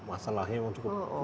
masalahnya memang cukup